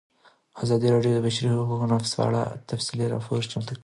ازادي راډیو د د بشري حقونو نقض په اړه تفصیلي راپور چمتو کړی.